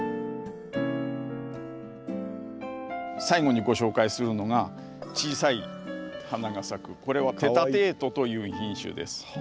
最後にご紹介するのが小さい花が咲くこれは‘テタテート’という品種です。